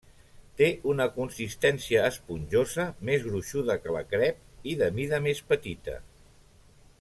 Té una consistència esponjosa, més gruixuda que la crep, i de mida més petita.